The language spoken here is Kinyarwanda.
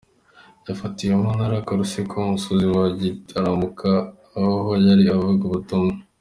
Yafatiwe mu Ntara ya Karusiku musozi wa Gitaramuka aho yari avuga ubutumwa.